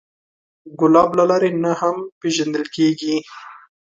ګلاب له لرې نه هم پیژندل کېږي.